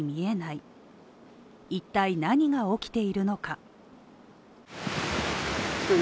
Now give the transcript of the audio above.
いったい何が起きているのか。